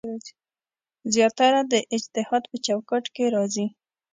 زیاتره د اجتهاد په چوکاټ کې راځي.